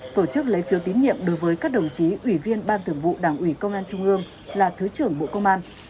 tổ chức lấy phiếu tín nhiệm đối với các đồng chí ủy viên ban thường vụ đảng ủy công an trung ương là thứ trưởng bộ công an